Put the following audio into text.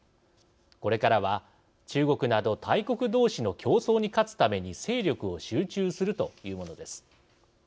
これからは、中国など大国どうしの競争に勝つために精力を集中するというものです。